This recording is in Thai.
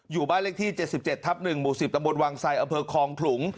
อยู่บ้านเลขที่เจ็ดสิบเจ็ดทับหนึ่งหมู่สิบตะบดวังไซด์อเภอคองขลุง